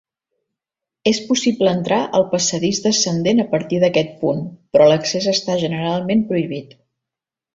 És possible entrar al Passadís Descendent a partir d'aquest punt, però l'accés està generalment prohibit.